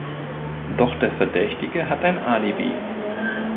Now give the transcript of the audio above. Doch der Verdächtige hat ein Alibi.